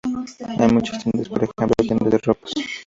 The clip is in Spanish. Hay muchas tiendas, por ejemplo tiendas de ropas.